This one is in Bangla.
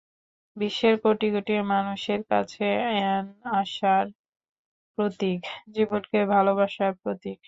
বিশ্বের কোটি কোটি মানুষের কাছে অ্যান আশার প্রতীক, জীবনকে ভালোবাসার প্রতীক।